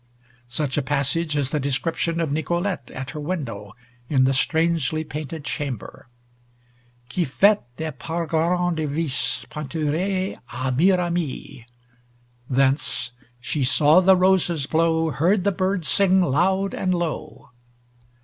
Such a passage is the description of Nicolete at her window, in the strangely painted chamber, "ki faite est par grant devisse panturee a miramie." Thence "she saw the roses blow, Heard the birds sing loud and low."